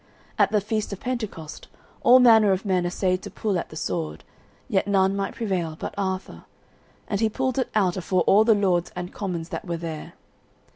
At the feast of Pentecost all manner of men assayed to pull at the sword, yet none might prevail but Arthur; and he pulled it out afore all the lords and commons that were there.